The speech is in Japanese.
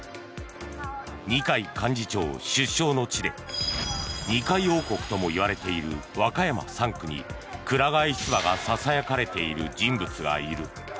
二階幹事長出生の地で二階王国ともいわれている和歌山３区にくら替え出馬がささやかれている人物がいる。